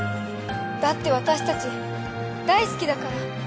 だって私たち大好きだから。